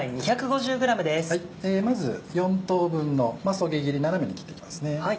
まず４等分のそぎ切り斜めに切っていきますね。